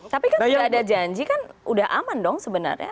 tapi kan sudah ada janji kan udah aman dong sebenarnya